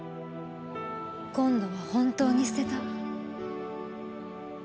今度は本当に捨てた。